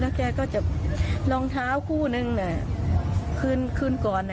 แล้วแกก็จะรองเท้ากู้นึงขึ้นก่อน